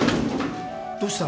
どうした？